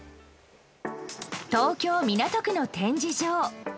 東京・港区の展示場。